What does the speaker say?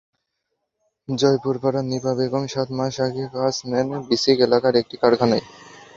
জয়পুরপাড়ার নিপা বেগম সাত মাস আগে কাজ নেন বিসিক এলাকার একটি কারখানায়।